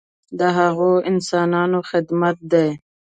د هغو انسانانو خدمت دی.